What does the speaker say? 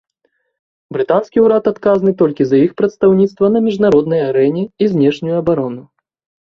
Брытанскі ўрад адказны толькі за іх прадстаўніцтва на міжнароднай арэне і знешнюю абарону.